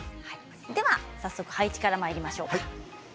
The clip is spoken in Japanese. では、早速、配置からまいりましょう。